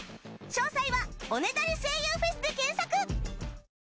詳細はおねだり声優フェスで検索。